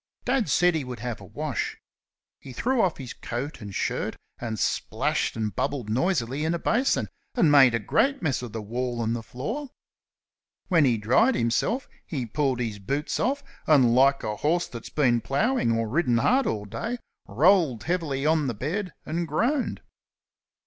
Dad said he would have a wash. He threw off his coat and shirt and splashed and bubbled noisily in a basin, and made a great mess of the wall and the floor. When he dried himself he pulled his boots off, and like a horse that had been ploughing or ridden hard all day, rolled heavily on the bed and groaned.